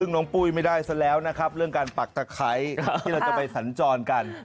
ซึ่งน้องปุ้ยไม่ได้ซะแล้วนะครับเรื่องการปักตะไคร้ที่เราจะไปสัญจรกัน